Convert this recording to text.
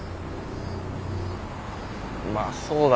まあそうだけど。